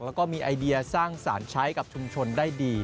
แล้วก็มีไอเดียสร้างสารใช้กับชุมชนได้ดี